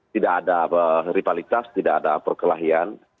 tidak ada rivalitas tidak ada perkelahian